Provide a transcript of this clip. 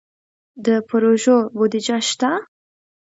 د پروژو بودیجه شته؟